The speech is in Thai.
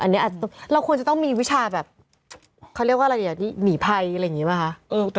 อันนี้เราควรจะต้องมีวิชาแบบเขาเรียกว่าอะไรอ่ะหนีภัยอะไรอย่างนี้ป่ะคะ